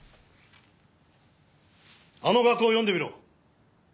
あの額を読んでみろ。